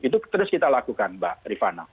itu terus kita lakukan mbak rifana